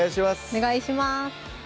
お願いします